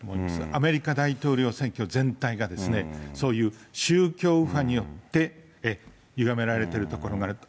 アメリカ大統領選挙全体が、そういう宗教右派によってゆがめられてるところもあると。